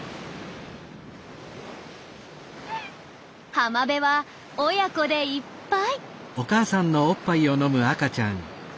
浜辺は親子でいっぱい。